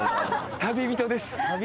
旅人です。